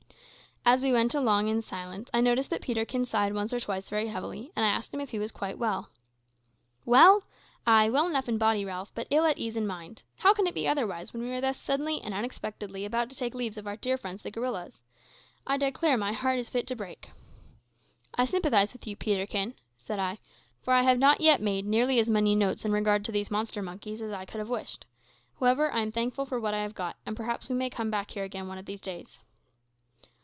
As we went along in silence I noticed that Peterkin sighed once or twice very heavily, and I asked him if he was quite well. "Well? Ay, well enough in body, Ralph, but ill at ease in mind. How can it be otherwise when we are thus suddenly and unexpectedly about to take leave of our dear friends the gorillas? I declare my heart is fit to break." "I sympathise with you, Peterkin," said I, "for I have not yet made nearly as many notes in regard to these monster monkeys as I could have wished. However, I am thankful for what I have got, and perhaps we may come back here again one of these days."